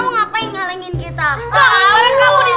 siapa yang mau goreng telah